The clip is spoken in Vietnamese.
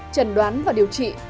trần đoán và điều trị